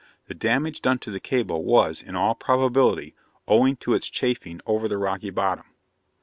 The damage done to the cable was, in all probability, owing to its chafing over the rocky bottom.